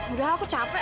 udah aku capek